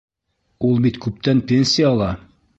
Ул бит күптән пенсияла!